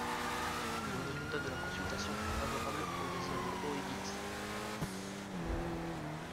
Le résultat de la consultation fut favorable aux désirs de O'Higgins.